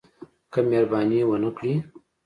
که مهرباني ونه کړي.